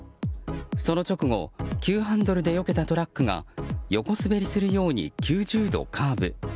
その直後急ハンドルでよけたトラックが横滑りするように９０度カーブ。